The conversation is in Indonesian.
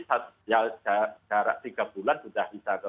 sejarah tiga bulan sudah bisa ke